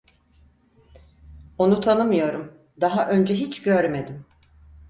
Onu tanımıyorum, daha önce hiç görmedim.